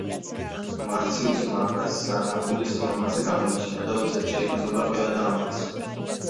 მარციუსმა აქაც არნახული სიმამაცე გამოიჩინა და ვისაც შეებრძოლა ყველა დაამარცხა.